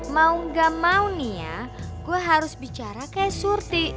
mau gak mau nih ya gue harus bicara kayak surti